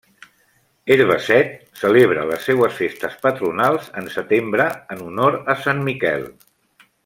Herbeset celebra les seues festes patronals en setembre en honor a Sant Miquel.